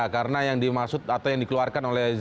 karena yang dimaksud atau yang dikeluarkan oleh